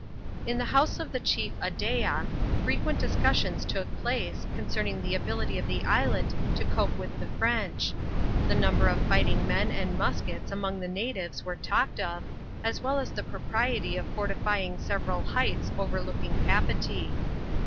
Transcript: In the house of the chief Adea, frequent discussions took place, concerning the ability of the island to cope with tiie French : the number of fighting men and muskets among the natives were talked of, as well as the propriety of fortifying several heights overlooking Papeetee.